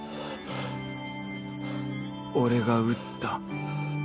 俺が撃った